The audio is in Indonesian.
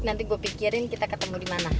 nanti gue pikirin kita ketemu dimana